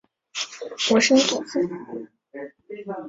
人们还把注音符号运用到汉语以外。